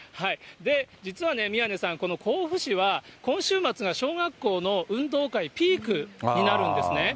実はね、宮根さん、この甲府市は、今週末が小学校の運動会ピークになるんですね。